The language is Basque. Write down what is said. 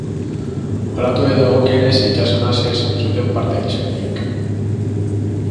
Olatuei dagokienez, itsaso nahasia izan zuten parte hartzaileek.